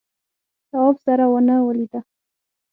تواب سره ونه ولیده.